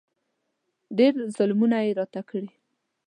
ډېر ظلمونه یې راته کړي.